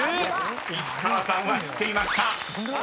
石川さんは知っていました］